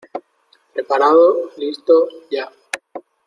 ¡ Preparado, listo... Ya!